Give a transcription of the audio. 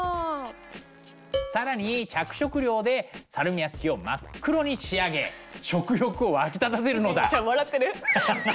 更に着色料でサルミアッキを真っ黒に仕上げ食欲を湧き立たせるのだ。